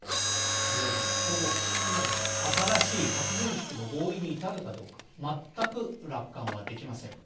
米ロの相互不信の中で新しい核軍縮の合意に至るかどうか全く楽観はできません。